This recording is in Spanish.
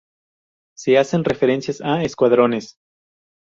Se hacen referencias a "Escuadrones".